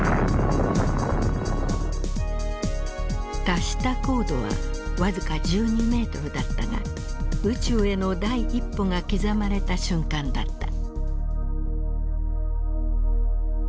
達した高度は僅か１２ｍだったが宇宙への第一歩が刻まれた瞬間だった。